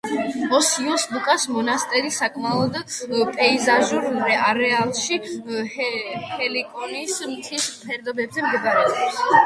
ოსიოს ლუკას მონასტერი საკმაოდ პეიზაჟურ არეალში, ჰელიკონის მთის ფერდობზე მდებარეობს.